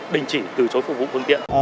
đình chỉ từ chối phục vụ phương tiện